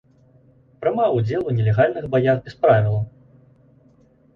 Прымаў удзел у нелегальных баях без правілаў.